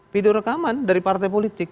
video rekaman dari partai politik